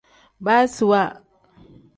Baasiwa.